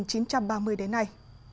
chủ tịch hồ chí minh